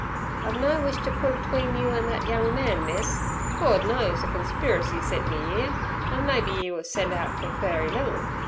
'I've no wish to put atween you an' thet young man, miss. Gord knows, a conspriricy sent me 'ere, an' mebbe 'e were sent out fer very liddle.